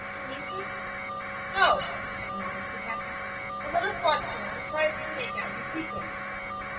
Can you, sir?" "No," acknowledged the captain; "but let us watch now and try to make out his secret."